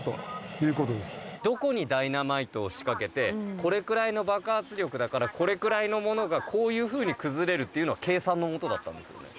どこにダイナマイトを仕掛けてこれくらいの爆発力だからこれくらいのものがこういうふうに崩れるのは計算のもとだったんですよね？